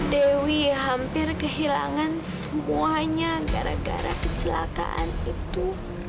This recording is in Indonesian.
dewi hampir kehilangan semuanya gara gara kecelakaan itu